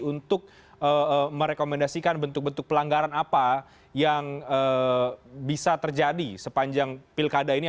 untuk merekomendasikan bentuk bentuk pelanggaran apa yang bisa terjadi sepanjang pilkada ini